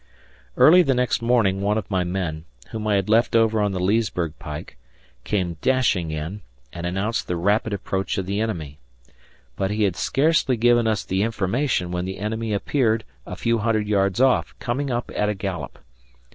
Early the next morning one of my men, whom I had left over on the Leesburg pike, came dashing in, and announced the rapid approach of the enemy. But he had scarcely given us the information when the enemy appeared a few hundred yards off, coming up at a gallop.